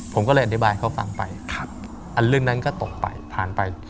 ผมก็เลยอธิบายเขาฟังไปอันเรื่องนั้นก็ตกไปผ่านไป